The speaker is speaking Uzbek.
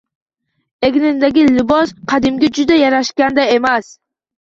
Egnimdagi libos qaddimga juda yarashganday edi